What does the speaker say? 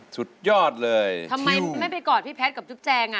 สุดยอดเลยทำไมไม่ไปกอดพี่แพทย์กับจุ๊บแจงอ่ะ